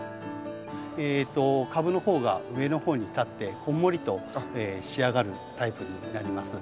株の方が上の方に立ってこんもりと仕上がるタイプになります。